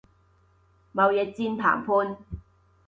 貿易戰談判